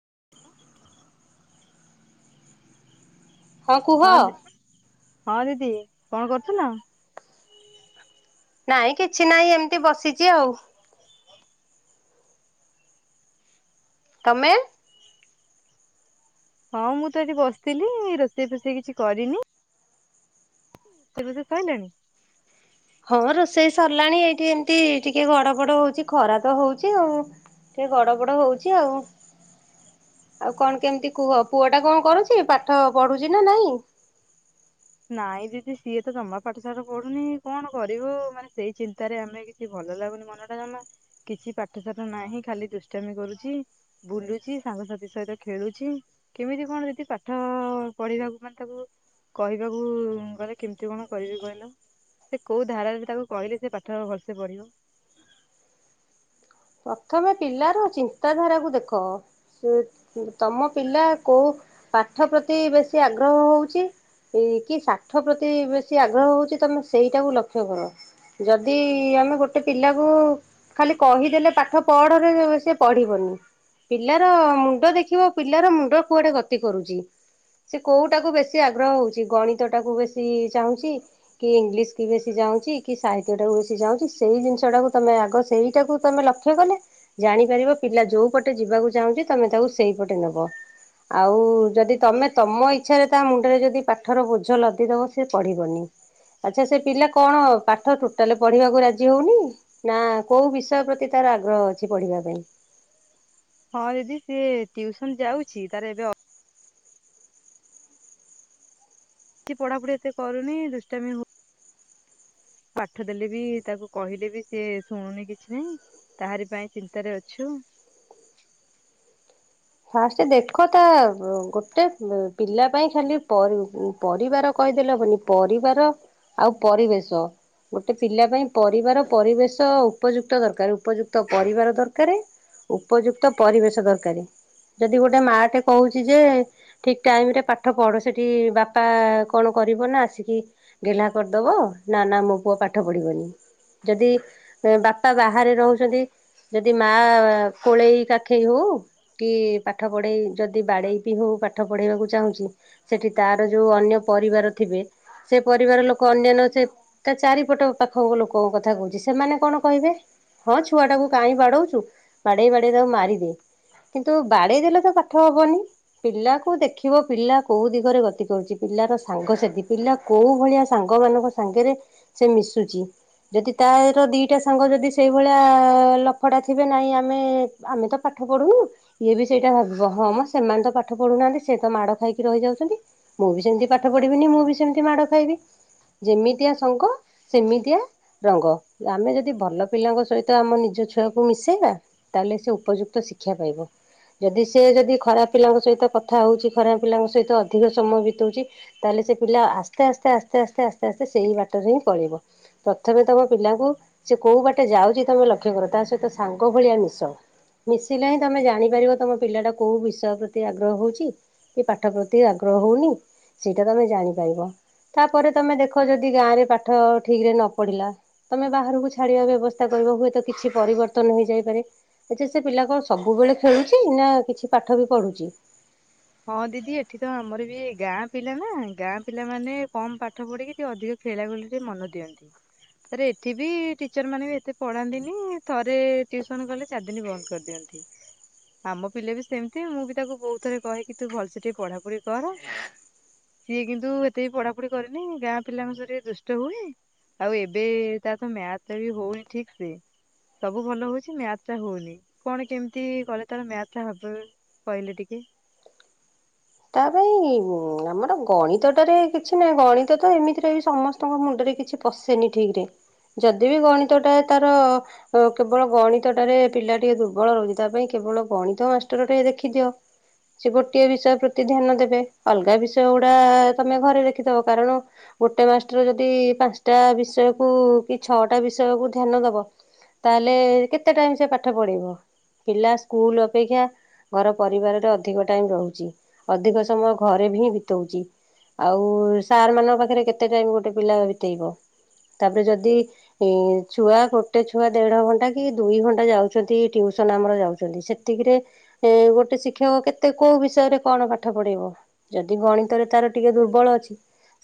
[unintelligible] ହଁ କୁହ। ହଁ ଦିଦି କଣ କରୁଥିଲ? ନାଇଁ କିଛି ନାହିଁ ଏମିତି ବସିଛି ଆଉ। ତମେ? ହଁ ମୁଁ ତ ଏଠି ବସିଥିଲି ରୋଷେଇ ଫୋଷେଇ କିଛି କରିନି ତମର ସରିଲାଣି। ହଁ ରୋଷେଇ ସରିଲାଣି ଏଇଠି ଏମତି ଟିକେ ଘଡ ବଡ ହଉଛି ଖରା ତ ହଉଛି ଆଉ ଟିକେ ଗଡ ବଡ ହଉଛି ଆଉ ଆଉ କଣ କେମିତି କୁହ ପୁଅ ଟା କଣ କରୁଛି ପାଠ ପଢୁଛି ନା ନାଇଁ। ନାଇଁ ଦିଦି ସିଏ ତ ଜମା ପାଠଶାଠ ପଢୁନି କଣ କରିବ ମାନେ ସେଇ ଚିନ୍ତାରେ ଆମେ କିଛି ଭଲ ଲାଗୁନି ମନ ଟା ଜମା କିଛି ପାଠଶାଠ ନାହିଁ ଖାଲି ଦୁଷ୍ଟାମି କରୁଛି ବୁଲୁଛି ସାଙ୍ଗସାଥି ସହିତ ଖେଳୁଛି କେମିତି କଣ ଦିଦି ପାଠଅ ପଢିବାକୁ ମାନେ ତାକୁ କହିବାକୁ ଉମ୍ ଗଲେ କେମିତି କଣ କରିବି କହିଲ ସେ କୋଉ ଧାରାରେ ତାକୁ କହିଲେ ସେ ପାଠ ଭଲସେ ପଢିବ। ପ୍ରଥମେ ପିଲାର ଚିନ୍ତାଧାରାକୁ ଦେଖ ଉମ ତମ ପିଲା କୋଉ ପାଠ ପ୍ରତି ବେସି ଆଗ୍ରହ ହଉଛି କି ସାଠ ପ୍ରତି ବେସି ଆଗ୍ରହ ହଉଛି ତମେ ସେଇଟାକୁ ଲକ୍ଷ୍ୟ କର ଯଦି ଆମେ ଗୋଟେ ପିଲାକୁ ଖାଲି କହିଦେଲେ ପାଠ ପଢ଼ରେ ସେ ପଢ଼ିବନି ପିଲାର ମୁଣ୍ଡ ଦେଖିବ ପିଲାର ମୁଣ୍ଡ କୁଆଡ଼େ ଗତି କରୁଛି ସେ କେଉଟାକୁ ବେଶି ଆଗ୍ରହ ହେଉଛି ଗଣିତଟାକୁ ବେଶି ଚାହୁଁଛି କି ଇଂଲିଶ କି ବେଶି ଚାହୁଁଛି କି ସାହିତ୍ୟଟାକୁ ବେଶି ଚାହୁଁଛି ସେଇ ଜିନିଷଟାକୁ ତମେ ଆଗ ସେଇଟାକୁ ତୁମେ ଲକ୍ଷ ଗଲେ ଜାଣିପାରିବ ପିଲା ଯୋଉ ପଟେ ଯିବାକୁ ଚାହୁଁଛି ତମେ ତାକୁ ସେଇପଟେ ନବ ଆଉ ଯଦି ତମେ ତମ ଇଚ୍ଛାରେ ତା ମୁଣ୍ଡରେ ଯଦି ପାଠର ବୋଝ ଲଦିଦବ ସେ ପଢିବନି ଆଚ୍ଛା ସେ ପିଲା କଣ ପାଠ ଟୋଟାଲ୍ ପଢିବାକୁ ରାଜି ହଉନି ନା କୋଉ ବିଷୟ ପ୍ରତି ତାର ଆଗ୍ରହ ଅଛି ପଢିବା ପାଇଁ। ହଁ ଦିଦି ସିଏ ଟିଉସନ୍ ଯାଉଛି ତାର ଏବେ କି ପଢାପଢି ଏତେ କରୁନି ଦୁଷ୍ଟାମି ହ ପାଠ ଦେଲେ ବି ତାକୁ କହିଲେ ବି ସେ ଶୁଣୁନି କିଛି ନହିଁ ତାହାରି ପାଇଁ ଚିନ୍ତାରେ ଅଛୁ ଫାଷ୍ଟ ଦେଖ ତା ଗୋଟେ ପିଲା ପାଇଁ ଖାଲି ପର୍ ପରିବାର କହିଦେଲେ ହେବନି ପରିବାର ଆଉ ପରିବେଶ ଗୋଟେ ପିଲା ପାଇଁ ପରିବାର ପରିବେଶ ଉପଯୁକ୍ତ ଦରକାର ଉପଯୁକ୍ତ ପରିବାର ଦରକାର ଉପଯୁକ୍ତ ପରିବେଶ ଦରକାର ଯଦି ଗୋଟେ ମା ଟେ କହୁଛି ଯେ ଠିକ୍ ଟାଇମ୍ ରେ ପାଠ ପଢ ସେଠି ବାପା କଣ କରିବ ନା ଆସିକି ଗେହ୍ଲା କରିଦବ ନା ନା ମୋ ପୁଅ ପାଠ ପଢିବନି ଯଦି ବାପା ବାହାରେ ରହୁଛନ୍ତି ଯଦି ମା କୋଳେଇ କାଖେଇ ହଉ କି ପାଠ ପଢେଇ ଯଦି ବାଡେଇ ବିି ହଉ ପାଠ ପଢେଇବାକୁ ଚାହୁଁଛି ସେଠି ତାର ଯୋଉ ଅନ୍ୟ ପରିବାର ଥିବେ ସେ ପରିବାର ଲୋକ ଅନ୍ୟାନ୍ୟ ସେ ତା ଚାରିପଟ ପାଖ ଲୋକଙ୍କ କଥା କହୁଛି ସେମାନେ କଣ କହିବେ ହଁ ଛୁଆ ଟାକୁ କାହିଁ ବାଡଉଛୁ ବାଡ଼େଇ ବାଡ଼େଇ ତାକୁ ମାରିଦେ କିନ୍ତୁ ବାଡେଇ ଦେଲେ ତ ପାଠ ହବନି ପିଲାକୁ ଦେଖିବ ପିଲା କୋଉ ଦିଗରେ ଗତି କରୁଛି ପିଲାର ସାଙ୍ଗ ସାଥୀ ପିଲା କୋଉ ଭଳିଆ ସାଙ୍ଗ ମାନଙ୍କ ସାଙ୍ଗରେ ସେ ମିଶୁଛି ଯଦି ତାର ଦିଟା ସାଙ୍ଗ ଯଦି ସେଇଭଳିଆ ଲଫଟା ଥିବେ ନାହିଁ ଆମେ ଆମେ ତ ପାଠ ପାଠ ପଢୁନୁ ଇଏ ବି ସେଇଟା ଭାବିବ ହଁ ମ ସେମାନେ ତ ପାଠ ପଢ଼ୁନାହାନ୍ତି ସେ ତ ମାଡ଼ ଖାଇକି ରହିଯାଉଛନ୍ତି ମୁଁ ବି ସେମିତି ପାଠ ପଢ଼ିବିନି ମୁଁ ବି ସେମିତି ମାଡ଼ ଖାଇବି ଯେମିତିଆ ସଙ୍ଗ ସେମିତିଆ ରଙ୍ଗ ଆମେ ଯଦି ଭଲ ପିଲାଙ୍କ ସହିତ ଆମ ନିଜ ଛୁଆକୁ ମିଶାଇବା ତାହେଲେ ସେ ଉପଯୁକ୍ତ ଶିକ୍ କ୍ଷା ପାଇବ ଯଦି ସେ ଯଦି ଖରାପ ପିଲାଙ୍କ ସହିତ କଥା ହେଉଛି ଖରାପ ପିଲାଙ୍କ ସହିତ ଅଧିକ ସମୟ ବିତଉଛି ତାହେଲେ ସେ ପିଲା ଆସ୍ତେ ଆସ୍ତେ ଆସ୍ତେ ଆସ୍ତେ ଆସ୍ତେ ଆସ୍ତେ ସେଇ ବାଟରେ ହିଁ ପଳେଇିବ ପ୍ରଥମେ ତୁମ ପିଲାଙ୍କୁ ସେ କୋଉ ବାଟେ ଯାଉଛି ତୁମେ ଲକ୍ଷ୍ୟ କର ତା ସହିତ ସାଙ୍ଗ ଭଳିଆ ମିଶ ମିସ୍ ଥିଲା ହିଁ ତମେ ଜାଣିପାରିବ ତୁମ ପିଲାଟା କୋଉ ବିଷୟ ପ୍ରତି ଆଗ୍ରହ ହଉଛି କି ପାଠ ପ୍ରତି ଆଗ୍ରହ ହଉନି ସେଇଟା ତମେ ଜାଣିପାରିବ ତାପରେ ତମେ ଦେଖ ଯଦି ଗାଁରେ ପାଠ ଠିକ୍ ରେ ନ ପଢ଼ିଲା ତମେ ବାହାରକୁ ଛାଡ଼ିବା ବ୍ୟବସ୍ଥା କରିବ ହୁଏତ କିଛି ପରିବର୍ତ୍ତନ ହୋଇଯାଇପାରେ ଆଛା ସେ ପିଲା ଙ୍କ ସବୁବେଳେ ଖେଳୁଛି ନା କିଛି ପାଠ ବି ପଢ଼ୁଛି? ହଁ ଦିଦି ଏଠି ତ ଆମର ବି ଗାଁ ପିଲା ନା ଗାଁ ପିଲା ମାନେ କମ ପାଠ ପଢିକି ଟିକେ ଅଧିକ ଖେଳା ଖେଳି ଟ ମନ ଦିଅନ୍ତି ତରେ ଏଠି ବି ଟିଚର ମାନେ ବି ଏତେ ପଢାନ୍ତିନି ଥରେ ଟଟିୁସନ କଲେ ଚାରିଦିନୀ ବନ୍ଦ କରିଦିଅନ୍ତି ଆମ ପିଲା ବି ସେମତି ମୁଁ ବି ତାକୁ ବହୁତ ଥରେ କହିଲି ତୁ ଭଲସେ ଟିକେ ପଢାପଢି କର ସିଏ କିନ୍ତୁ ଏତେ ବି ପଢାପଢି କରିନି ଗାଁ ପିଲାଙ୍କ ସ ଦୁଷ୍ଟ ହୁଏ ଆଉ ଏବେ ତା ତ ମ୍ୟାଥ ବି ହଉନି ଠିକ ସେ ସବୁ ଭଲ ହଉଛି ମ୍ୟାଥ ଟା ହଉନି କଣ କେମିତି କଲେ ତାର ମ୍ୟାଥଟା ହବ୍ କହିଲେ ଟିକେ? ତା ପାଇଁ ଆମର ଗଣିତ ଟାରେ କିଛି ନାହି ଗଣିତ ତ ଏମିତିରେ ସମସ୍ତଙ୍କ ମୁଣ୍ଡରେ କିଛି ପଶେନି ଠିକ ରେ ଯଦି ବି ଗଣିତ ଟା ତାର କେବଳ ଗଣିତଟାରେ ପିଲା ଟିକେ ଦୁର୍ବଳ ରହୁଛି ତା ପାଇଁ କେବଳ ଗଣିତ ମାଷ୍ଟର ଟେ ଦେଖିଦିଅ ସେ ଗୋଟିଏ ବିଷୟ ପ୍ରତି କେ ଧ୍ୟାନ ଦେବେ ଅଲଗା ବିଷୟ ଗୁଡ଼ା ତୁମେ ଘରେ ଦେଖିଦବ କାରଣ ଗୋଟେ ମାଷ୍ଟର ଯଦି ପାଞ୍ଚଟା ବିଷୟକୁ କି ଛଅଟା ବିଷୟକୁ ଧ୍ୟାନ ଦେବ ତାହେଲେ କେତେ ଟାଇମ୍ ସେ ପାଠ ପଢ଼ାଇବ ପିଲା ସ୍କୁଲ ଅପେକ୍ଷା ଘର ପରିବାରରେ ଅଧିକ ଟାଇମ୍ ରହୁଛି। ଅଧିକ ସମୟ ଘରେ ବି ହିଁ ବିତଉଛି ଆଉ ସାର୍ ମାନଙ୍କ ପାଖରେ କେତେ ଟାଇମ ଗୋଟେ ପିଲା ବିତେଇବ ତାପରେ ଯଦି ଛୁଆ ଗୋଟେ ଛୁଆ ଦେଢ ଘଣ୍ଟା କି ଦୁଇ ଘଣ୍ଟା ଯାଉଛନ୍ତି ଟିଉସନ ଆମର ଯାଉଛନ୍ତି ସେତିକିରେ ଗୋଟେ ଶିକ୍ଷକ କେତେ କୋଉ ବିଷୟରେ କଣ ପାଠ ପଢେଇବ ଯଦି ଗଣିତରେ ତାର ଟିକେ ଦୁର୍ବଳ ଅଛି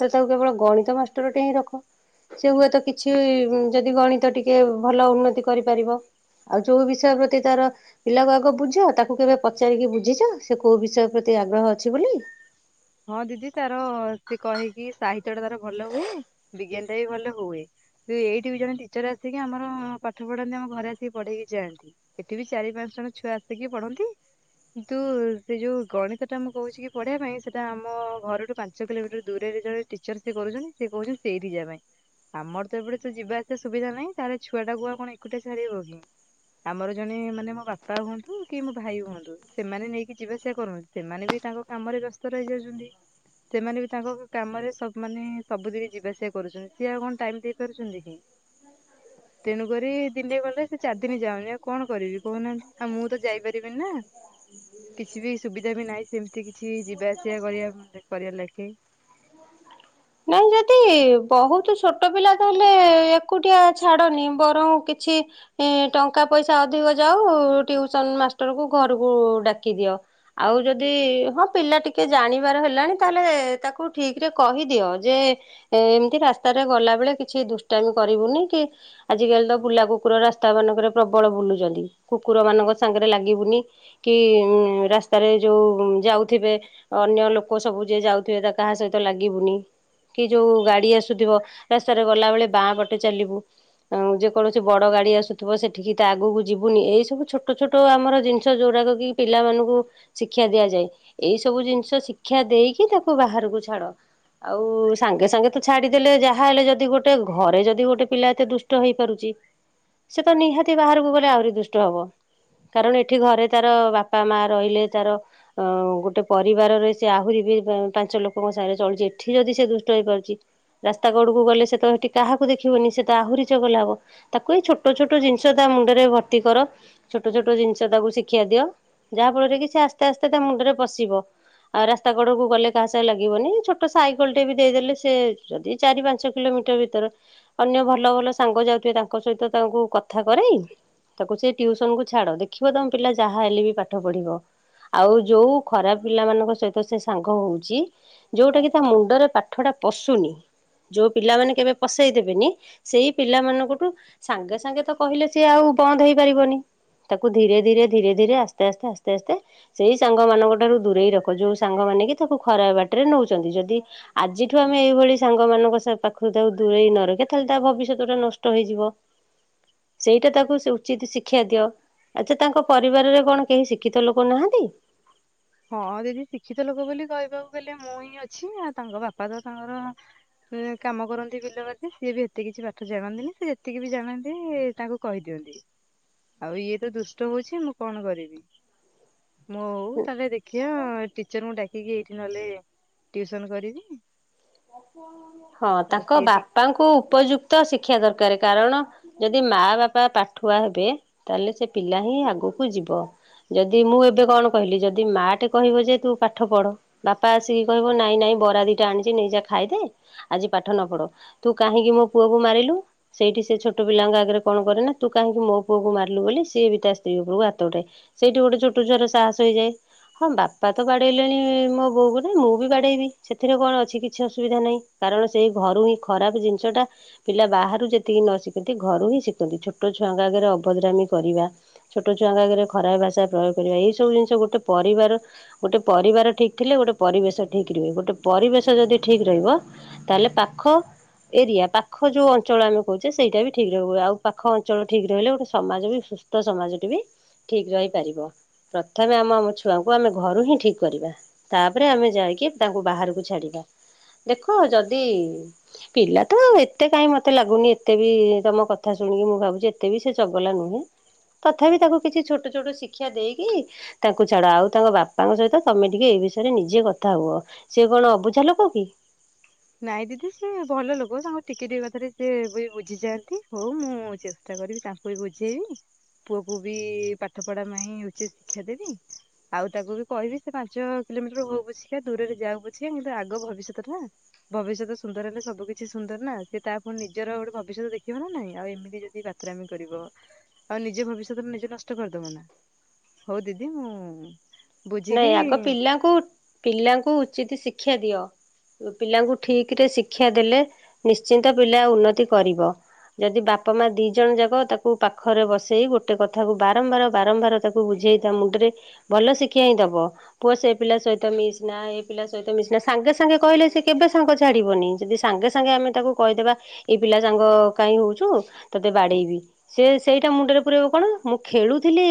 ତ ତାକୁ କେବଳ ଗଣିତ ମାଷ୍ଟର ଟେ ହିଁ ରଖ। ସେ ହୁଏତ କିଛି ଯଦି ଗଣିତ ଟିକେ ଭଲ ଉନ୍ନତି କରିପାରିବ ଆଉ ଯୋଉ ବିଷୟ ପ୍ରତି ତାର ପିଲାକୁ ଆଗ ବୁଝ ତାକୁ କେବେ ପଚାରିକି ବୁଝିଛ ସେ କୋଉ ବିଷୟ ପ୍ରତି ତି ଆଗ୍ରହ ଅଛି ବୋଲି? ହଁ ଦିଦି ତାର ସେ କହେକି ସାହିତ୍ୟ ଟା ତାର ଭଲ ହୁଏ ବିଜ୍ଞାନ ଟା ବି ଭଲ ହୁଏ ଏଇଠି ବି ଜଣେ ଟିଚର ଆସିକି ଆମର ପାଠ ପଢନ୍ତି ଆମ ଘରେ ଆସିକି ପଢେଇକି ଯାଆନ୍ତି ଏଠି ବି ଚାରି ପାଞ୍ଚ ଜଣ ଛୁଆ ଆସିକି ପଢନ୍ତି କିନ୍ତୁ ସେ ଯୋଉ ଗଣିତ ଟା ମୁଁ କହୁଛି କି ପଢିବା ପାଇଁ ତ ଆମ ଘରଠୁ ପାଞ୍ଚ କିଲୋମିଟର ଦୂରରେ ଜଣେ ଟିଚର ସେ କରୁଛନ୍ତି ସେ କହୁଛନ୍ତି ସେଇଠି ଯିବା ପାଇଁ ଆମର ତ ଏବେଟେ ତ ଯିବା ଆସିବା ସୁବିଧା ନାହିଁ ତାହେଲେ ଛୁଆ ଟା କୁଆ କଣ ଏକୁଟା ଛାଡିବ ହିଁ ଆମର ଜଣେ ମାନେ ମୋ ବାପା ହୁଅନ୍ତୁ କି ମୋ ଭାଇ ହୁଅନ୍ତୁ ସେମାନେ ନେଇକି ଯିବା ଆସିବା କରୁନ ସେମାନେ ବି ତାଙ୍କ କାମରେ ବ୍ୟ ସେମାନେ ବି ତାଙ୍କ କାମରେ ମାନ ସବୁଦିନ ଯିବା ଆସିବା କରୁଛନ୍ତି ସିଏ ଆଉ କଣ ଟାଇମ ଦେଇପାରୁଛନ୍ତି କି ତେଣୁକ ଦିନେ ଗଲେ ସେ ଚାରି ଦିନ ଯାଉନି ଆଉ କଣ କରିବି କହୁନାହାନ୍ତି ଆଉ ମୁଁ ତ ଯାଇପାରିବିନି ନା କିଛି ବି ସୁବିଧା ବି ନାହିଁ ସେମତି କିଛି ଯିବା ସେଇଆ କରିବା କରିବା ଲେଖି ନାଇଁ ଯଦି ବହୁତ ଛୋଟ ପିଲା ତାହେଲେ ଏକୁଟିଆ ଛାଡ଼ନି ବରଂ କିଛି ଟଙ୍କା ପଇସା ଅଧିକ ଯାଉ ଟ୍ୟୁସନ ମାଷ୍ଟରକୁ ଘରକୁ ଡାକି ଦିଅ ଆଉ ଯଦି ହଁ ପିଲା ଟିକେ ଜାଣିବାର ହେଲାଣି ତାହେଲେ ତାକୁ ଠିକ ରେ କହିଦିଅ ଯେ ଏ ଏମିତି ରାସ୍ତାରେ ଗଲା ବେଳେ କିଛି ଦୁଷ୍ଟାମି କରିବୁନି କି ଆଜିକାଲି ତ ବୁଲା କୁକୁର ରାସ୍ତା ମାନଙ୍କରେ ପ୍ରବଳ ବୁଲୁଛନ୍ତି କୁକୁର ମାନଙ୍କ ସାଙ୍ଗରେ ଲାଗିବୁନି କି ଉ ରାସ୍ତାରେ ଯୋଉ ଯାଉଥିବେ ଅନ୍ୟ ଲୋକ ସବୁ ଯିଏ ଯାଉଥିବେ ତା କାହା ସହିତ ଲାଗିବୁନି। କି ଯୋଉ ଗାଡ଼ି ଆସୁଥିବ ରାସ୍ତାରେ ଗଲାବେଳେ ବାଁ ପଟେ ଚାଲିବୁ ଆ ଯେକୌଣସି ବଡ଼ ଗାଡ଼ି ଆସୁଥିବ ସେଠିକି ତା ଆଗକୁ ଯିବୁନି ଏଇସବୁ ଛୋଟ ଛୋଟ ଆମର ଜିନିଷ ଯେଉଁଡ଼ାକ କି ପିଲାମାନଙ୍କୁ ଶିକ୍ଷା ଦିଆଯାଏ ଏଇସବୁ ଜିନିଷ ଶିକ୍ଷା ଦେଇକି ତାକୁ ବାହାରକୁ ଛାଡ଼ ଆଉ ସାଙ୍ଗେ ସାଙ୍ଗେ ତ ଛାଡିଦେଲେ ଯାହାହେଲେ ଯଦି ଗୋଟେ ଘରେ ଯଦି ଗୋଟେ ପିଲା ଏତେ ଦୁଷ୍ଟ ହେଇ ପାରୁଛି ସେ ତ ନିହାତି ବାହାରକୁ ଗଲେ ଆହୁରି ଦୁଷ୍ଟ ହବ କାରଣ ଏଠି ଘରେ ତାର ବାପା ମା ରହିଲେ ତାର ଅ ଗୋଟେ ପରିବାରରେ ସେ ଆହୁରି ବି ପାଞ୍ଚ ଲୋକଙ୍କ ସାଙ୍ଗରେ ଚଳଛି ଏଠି ଯଦି ସେ ଦୃ ଷ୍ଟ ହୋଇପାରୁଛି ରାସ୍ତା କଡକୁ ଗଲେ ସେ ତ ସେଠି କାହାକୁ ଦେଖିବନି ସେ ତ ଆହୁରି ଚଗଲା ହବ ତାକୁ ଏଇ ଛୋଟ ଛୋଟ ଜିନିଷ ତା ମୁଣ୍ଡରେ ଭର୍ତ୍ତି କର ଛୋଟ ଛୋଟ ଜିନିଷ ତାକୁ ଶିଖାଆ ଦିଅ ଯାହା ଫଳରେ କି ସେ ଆସ୍ତେ ଆସ୍ତେ ତା ମୁଣ୍ଡରେ ପଶିବ ଆଉ ରାସ୍ତା କଡ କକୁ ଗଲେ କାହା ସା ଲାଗିବନି ଛୋଟ ସାଇକେଲ ଟେ ବି ଦେଇଦଲେ ସେ ଯଦି ଚାରି ପାଞ୍ଚ କିଲୋମିଟର ଭିତରେ ଅନ୍ୟ ଭଲ ଭଲ ସାଙ୍ଗ ଯାଉଥିବ ତାଙ୍କ ସହିତ ତାଙ୍କୁ କଥା କରୋଇ ତାକୁ ସେ ଟିଉସନକୁୁ ଛାଡ ଦେଖିବ ତମ ପିଲା ଯାହା ହେଲେ ବି ପାଠ ପଢିବ ଆଉ ଯୋଉ ଖରାପ ପିଲାମାନଙ୍କ ସହିତ ସେ ସାଙ୍ଗ ହଉଛି ଯୋଉଟା କି ତା ମୁଣ୍ଡରେ ପା ଠ ଟା ପଶୁନି ଯୋଉ ପିଲାମାନେ କେବେ ପଶେଇ ଦେବେନି ସେଇ ପିଲାମାନଙ୍କଠୁ ସାଙ୍ଗେ ସାଙ୍ଗେ ତ କହିଲେ ସିଏ ଆଉ ବନ୍ଦ ହେଇପାରିବନି ତାକୁ ଧୀରେ ଧୀରେ ଧୀରେ ଧୀରେ ଆସ୍ତେ ଆସ୍ତେ ଆସ୍ତେ ଆସ୍ତେ ସେଇ ସାଙ୍ଗ ମାନଙ୍କ ଠାରୁ ଦୂରେଇ ରଖ ଯୋଉ ସାଙ୍ଗ ମାନେ କି ତାକୁ ଖରା ବାଟରେ ନଉଛନ୍ତି ଯଦି ଆଜିଠୁ ଆମେ ଏଇଭଳି ସାଙ୍ଗମାନାନଙ୍କ ପାଖରୁ ତାକୁ ଦୂରେଇ ନରଖେ ତାହେଲେ ତା ଭବିଷ୍ୟତଟା ନଷ୍ଟ ହେଇଯିବ ସେଇଟା ତାକୁ ସେ ଉଚିତ ଶିକ୍ଷା ଦିଅ ଆଚ୍ଛା ତାଙ୍କ ପରିବାରରେ କଣ କେହି ଶିକ୍ଷିତ ଲୋକ ନାହାନ୍ତି? ହଁ ଦିଦି ଶିକ୍ଷିତ ଲୋକ ବୋଲି କହିବାକୁ ଗଲେ ମୁଁ ହିଁ ଅଛି ଆଉ ତାଙ୍କ ବାପା ତ ତାଙ୍କର କାମ କରନ୍ତି ବିଲବତି ସିଏ ବି ଏତେ କିଛି ପାଠ ଜାଣନ୍ତିନି ସେ ଯେତିକି ବି ଜାଣନ୍ତି ତାଙ୍କୁ କହିଦିଅନ୍ତି ଆଉ ଇଏ ତ ଦୁଷ୍ଟ ହଉଛି ମୁଁ କଣ କରିବି ମୁଁ ତାହେଲେ ଦେଖିଆ ଟିଚର ଙ୍କୁ ଡା କି ଏଇଠି ନହଲେ ଟିଉସନ କରିବି। ହଁ ଆଉ ତାଙ୍କ ସିଏ ଟି ବାପାଙ୍କୁ ଉପଯୁକ୍ତ ଶିକ୍ଷା ଦରକାର କାରେ କାରଣ ଯଦି ମା ବାପା ପାଠୁଆ ହେବେ ତାହେଲେ ସେ ପିଲା ହିଁ ଆଗକୁ ଯିବ ଯଦି ମୁଁ ଏବେ କଣ କହିଲି ଯଦି ମା ଟେ କହିବ ଯେ ତୁ ପାଠ ପଢ ବାପା ଆସିକି କହିବ ନାଇଁ ନାଇଁ ବରା ଦିଟା ଆଣିଛି ନେଇଯା ଖାଇଦେ ଆଜି ପାଠ ନ ପଢ ତୁ କାହିଁକି ମୋ ପୁଅକୁ ମାରିଲୁ ସେଇଠି ସେ ଛୋଟ ପିଲାଙ୍କ ଆଗରେ କଣ କରେ ନା ତୁ କାହିଁକି ମୋ ପୁଅକୁ ମାରିଲୁ ବୋଲି ସିଏ ବି ତା ସ୍ତ୍ରୀ ଉପରକୁ ହାତ ଉଠା ସେଇଠି ଗୋଟେ ଛୋଟ ଛଆର ସାହସ ହେଇଯାଏ ହଁ ବାପା ତ ବାଡ଼େଇଲେଣି ମୋ ବୋଉ କ ନା ମୁଁ ବି ବାଡ଼େଇବି ସେଥିରେ କଣ ଅଛି କି କିଛି ଅସୁବିଧା ନାହିଁ କାରଣ ସେଇ ଘରୁ ହିଁ ଖରାପ ଜିନିଷଟା ପିଲା ବାହାରୁ ଯେତିକି ନ ଶିଖନ୍ତି ଘରୁ ହିଁ ଶିଖନ୍ତି ଛୋଟ ଛୁଆଙ୍କ ଆଗରେ ଅଭଦ୍ରାମୀ କରିବା ଛୋଟ ଛୁଆଙ୍କ ଆଗରେ ଖରା ଭାଷା ପ୍ରୟୋଗ କରିବା ଏଇସବୁ ଜିନିଷ ଗୋଟେ ପରିବାର ଗୋଟେ ପରିବାର ଠିକ ଥିଲେ ଗୋଟେ ପରିବେଶ ଠିକ ରୁହେ ଗୋଟେ ପରିବେଶ ଯଦି ଠିକ୍ ରହିବ ତାହେଲେ ପାଖ ଏରିଆ ପାଖ ଯେଉଁ ଅଞ୍ଚଳ ଆମେ କହୁଛେ ସେଇଟା ବି ଠିକ୍ ରହିବ ଆଉ ପାଖ ଅଞ୍ଚଳ ଠିକ ରହିଲେ ଗୋଟେ ସମାଜ ବି ସୁସ୍ଥ ସମାଜଟି ବି ଠିକ୍ ରହିପାରିବ ପ୍ରଥମେ ଆମ ଆମ ଛୁଆଙ୍କୁ ଆମେ ଘରୁ ହିଁ ଠିକ୍ କରିବା ତାପରେ ଆମେ ଯାଇକି ତାଙ୍କୁ ବାହାରକୁ ଛାଡ଼ିବା। ଦେଖ ଯଦି ପିଲା ତ ଏତେ କାହିଁ ମତେ ଲାଗୁନି ଏତେ ବି ତମ କଥା ଶୁଣିକି ମୁଁ ଭାବୁଛି ଏତେ ବି ସେ ଚଗଲା ନୁହେଁ ତଥାପି ତାକୁ କିଛି ଛୋଟ ଛୋଟ ଶିକ୍ଷା ଦେଇକି ତାଙ୍କୁ ଛାଡ ଆଉ ତାଙ୍କ ବାପାଙ୍କ ସହିତ ତମେ ଟିକେ ଏ ବିଷୟରେ ନିଜେ କଥା ହୁଅ ସି କଣ ଅବୁଝା ଲୋକ? ପି ନାଇଁ ଦିଦି ସେ ଭଲ ଲୋକ ତାଙ୍କୁ ଟିକେ ଟିକେ କଥାରେ ସେ ବି ବୁଝିଯାଆନ୍ତି ହଉ ମୁଁ ଚେଷ୍ଟା କରିବି ତାଙ୍କୁ ବି ବୁଝେଇବି ପୁଅକୁ ବି ପାଠ ପଢା ପାଇଁ ଉଚିତ ଶିକ୍ଷା ଦେବି ଆଉ ତାକୁ ବି କହିବି ସେ ପାଞ୍ଚ କିଲୋମିଟର ହଉ ବୁଝିକା ଦୂରରେ ଯାହାକୁୁଝା କିନ୍ତୁ ଆଗ ଭବିଷ୍ୟତ ଟା ଭବିଷ୍ୟତ ସୁନ୍ଦର ହେଲେ ସବୁ କିଛି ସୁନ୍ଦର ନା ସେ ତା ଫୁଣି ନିଜର ଗୋଟେ ଭବିଷ୍ୟତ ଦେଖିବ ନା ନାଇଁ ଆଉ ଏମିତି ଯଦି ବାତରାମି କରିବ ଆଉ ନିଜ ଭବିଷ୍ୟତରେ ନିଜେ ନଷ୍ଟ କରିଦବ ନା ହଉ ଦିଦି ମୁଁ ନାଇଁ ବୁଝିକି ଆଗ ପିଲାଙ୍କୁ ପିଲାଙ୍କୁ ଉଚିତ ଶି ଶିକ୍ଷା ଦିଅ ପିଲାଙ୍କୁ ଠିକ ରେ ଶିକ୍ଷା ଦେଲେ ନିଶ୍ଚିନ୍ତ ପିଲା ଉନ୍ନତି କରିବ ଯଦି ବାପା ମା ଦି ଜଣ ଯାକ ତାକୁ ପାଖରେ ବସେଇ ଗୋଟେ କଥାକୁ ବାରମ୍ବାର ବାରମ୍ବାର ତାକୁ ବୁଝେଇଥା ମୁଣ୍ଡରେ ଭଲ ଶି ଖା ହିଁ ଦେବ ପୁଅ ସେ ପିଲା ସହିତ ମିଶନା ଏ ପିଲା ସହିତ ମିଶନା ସାଙ୍ଗେ ସାଙ୍ଗେ କହିଲେ ସେ କେବେ ସାଙ୍ଗ ଛାଡ଼ିବନି ଯଦି ସାଙ୍ଗେ ସାଙ୍ଗେ ଆମେ ତାକୁ କହିଦେବା ଏ ପିଲା ସାଙ୍ଗ କାହିଁ ହେଉଛୁ ତୋତେ ବାଡ଼େଇବି ସେ ସେଇଟା ମୁଣ୍ଡରେ ପୁରାଇବ କଣ ମୁଁ ଖେଳୁଥିଲି